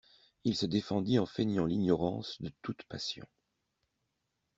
Il se défendit en feignant l'ignorance de toute passion.